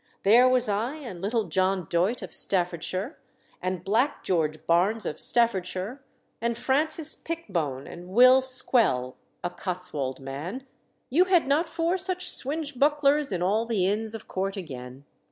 There was I and little John Doit of Staffordshire, and black George Barnes of Staffordshire, and Francis Pickbone, and Will Squele, a Cotswold man: you had not four such swinge bucklers in all the inns of court again."